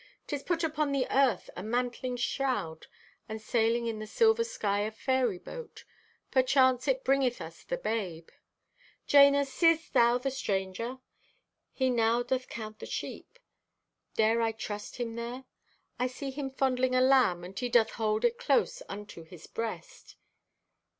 'Tis put upon the earth a mantling shroud, and sailing in the silver sky a fairy boat. Perchance it bringeth us the Babe. "Jana, see'st thou the Stranger? He now doth count the sheep. Dare I trust him there? I see him fondling a lamb and he doth hold it close unto his breast."